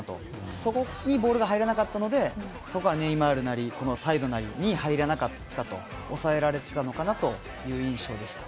そこにボールが入らなかったのでそこはネイマールなりこのサイドなりに入らなかったとおさえられてたのかなという印象です。